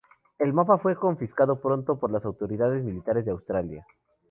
El mapa fue confiscado pronto por las autoridades militares de Austria.